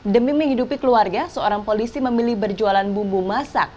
demi menghidupi keluarga seorang polisi memilih berjualan bumbu masak